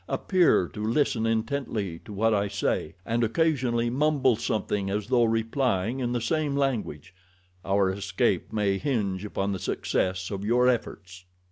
Appear to listen intently to what I say, and occasionally mumble something as though replying in the same language—our escape may hinge upon the success of your efforts."